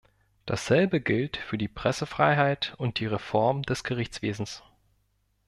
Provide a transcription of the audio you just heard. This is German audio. Dasselbe gilt für die Pressefreiheit und die Reform des Gerichtswesens.